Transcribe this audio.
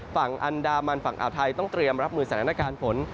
ฝั่งอันดามันฝั่งอาวไทยต้องเตรียมรับมือสัญลักษณะการผล